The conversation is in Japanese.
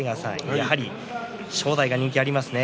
やはり正代が人気がありますね。